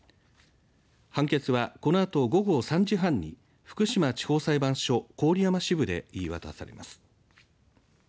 判決は、このあと午後３時半に福島地方裁判所郡山支部で言い渡されます。